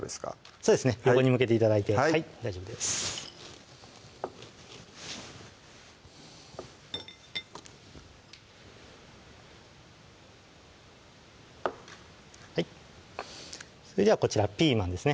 そうですね横に向けて頂いてはい大丈夫ですそれではこちらピーマンですね